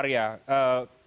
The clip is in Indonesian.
kita bicara soal masyarakat